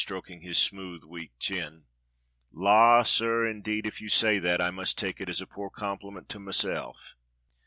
" stroking his smooth, weak chin. "La, sir, indeed if you say that, I must take it as a poor compliment to myself."